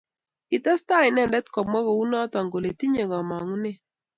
Kitestai inendet komwa kounoto kole tinye komongunet